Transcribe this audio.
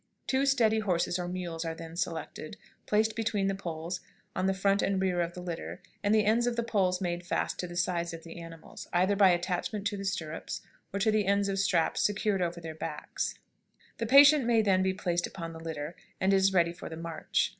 Two steady horses or mules are then selected, placed between the poles in the front and rear of the litter, and the ends of the poles made fast to the sides of the animals, either by attachment to the stirrups or to the ends of straps secured over their backs. [Illustration: HORSE LITTER.] The patient may then be placed upon the litter, and is ready for the march.